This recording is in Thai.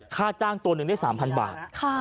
ค่าจ้างตัวหนึ่งได้๓๐๐บาท